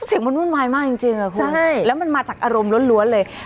เสียงมันวุ่นวายมากจริงค่ะคุณใช่แล้วมันมาจากอารมณ์ล้วนเลย